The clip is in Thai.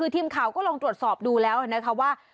ทีมข่าวก็ลองตรวจสอบดูลักษณ์ว่า